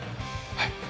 はい